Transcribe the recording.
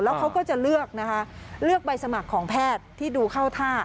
เขาก็จะเลือกนะคะเลือกใบสมัครของแพทย์ที่ดูเข้าท่า